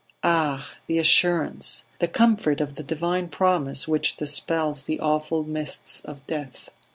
Ah! the assurance, the comfort of the divine promise which dispels the awful mists of death!